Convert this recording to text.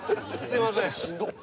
いません